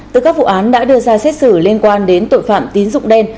từ các vụ án đã đưa ra xét xử liên quan đến tội phạm tín dụng đen